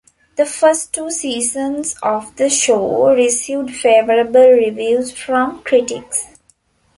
The first two seasons of the show received favorable reviews from critics.